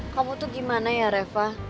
kamu butuh gimana ya reva